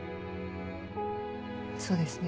そうですね。